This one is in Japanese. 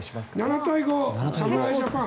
７対５、侍ジャパン。